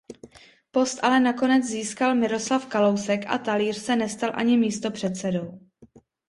Post ale nakonec získal Miroslav Kalousek a Talíř se nestal ani místopředsedou.